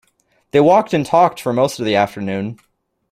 They walked and talked for most of the afternoon.